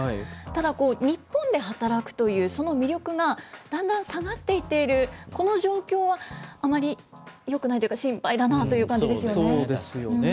ただ、日本で働くというその魅力が、だんだん下がっていっている、この状況は、あまりよくないというか心配だなという感じですよね。